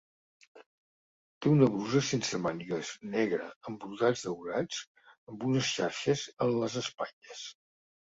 Té una brusa sense mànigues negra amb brodats daurats amb unes xarxes en les espatlles.